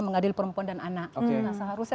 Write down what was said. mengadil perempuan dan anak seharusnya